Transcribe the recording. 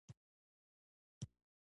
بزګر له خولې، بادې او بارانه نه وېرېږي نه